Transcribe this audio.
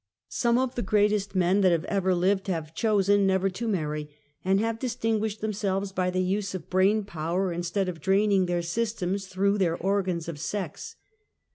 Some of the greatest men that have ever lived have chosen never to marry, and have distinguished themselves by the use of brain power, instead of ■draining their systems through their organs of sex.